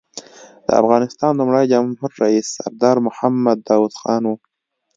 د افغانستان لومړی جمهور رییس سردار محمد داود خان و.